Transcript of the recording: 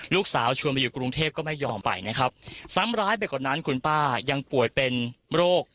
ชวนไปอยู่กรุงเทพก็ไม่ยอมไปนะครับซ้ำร้ายไปกว่านั้นคุณป้ายังป่วยเป็นโรค